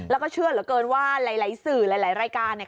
แล้วก็เชื่อเหลือเกินว่าหลายสื่อหลายรายการเนี่ย